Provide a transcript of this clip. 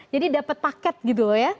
jadi dapat paket gitu loh ya